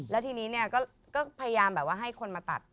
แล้วทีนี้เนี่ยก็พยายามแบบว่าให้คนมาตัด